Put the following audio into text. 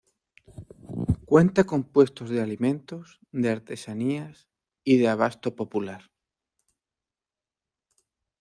Cuenta con puestos de alimentos, de artesanías y de abasto popular.